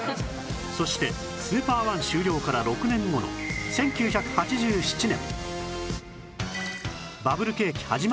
そして『スーパー１』終了から６年後の１９８７年